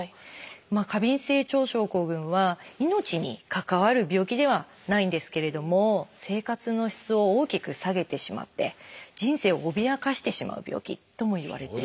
過敏性腸症候群は命に関わる病気ではないんですけれども生活の質を大きく下げてしまって人生を脅かしてしまう病気ともいわれています。